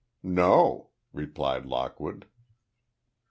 "No," replied Lockwood.